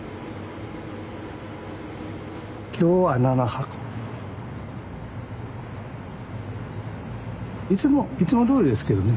今日は７箱。いつもどおりですけどね。